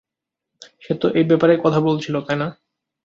সে তো এই ব্যাপারেই কথা বলছিল, তাই না?